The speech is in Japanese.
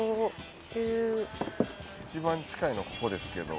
いちばん近いのここですけど。